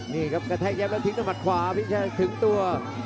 นี่ครับกระแทกยับแล้วทิ้งด้วยมัดขวาพี่ชายถึงตัว